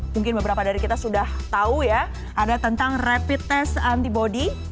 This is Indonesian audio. mungkin beberapa dari kita sudah tahu ya ada tentang rapid test antibody